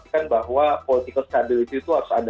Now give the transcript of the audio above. kita harus tahu bahwa political stability itu harus ada dulu ya